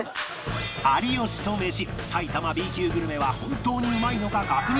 有吉とメシ埼玉 Ｂ 級グルメは本当にうまいのか確認